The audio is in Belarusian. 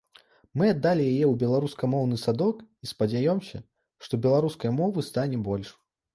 Мы аддалі яе ў беларускамоўны садок і спадзяёмся, што беларускай мовы стане больш.